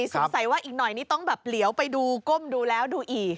สงสัยว่าอีกหน่อยนี่ต้องแบบเหลียวไปดูก้มดูแล้วดูอีก